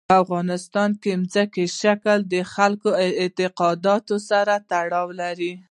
په افغانستان کې ځمکنی شکل د خلکو اعتقاداتو سره تړاو لري.